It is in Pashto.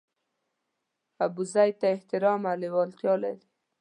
ابوزید ته احترام او لېوالتیا لري.